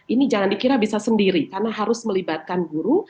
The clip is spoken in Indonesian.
ini jangan dikira bisa sendiri karena harus melibatkan guru